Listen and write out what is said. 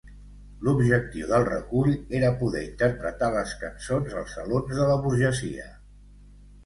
L'objectiu del recull era poder interpretar les cançons als salons de la burgesia.